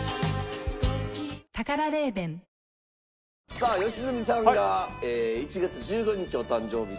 さあ良純さんが１月１５日お誕生日で。